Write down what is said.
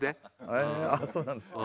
へえああそうなんですか。